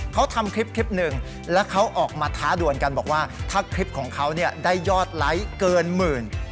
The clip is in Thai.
เขาทำคลิปคลิปหนึ่งแล้วเขาออกมาท้าด่วนกันบอกว่าถ้าคลิปของเขาเนี่ยได้ยอดไลค์เกินหมื่น